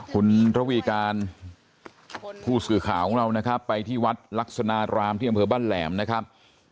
คุณระวีการผู้สื่อข่าวของเรานะครับไปที่วัดลักษณะรามที่อำเภอบ้านแหลมนะครับ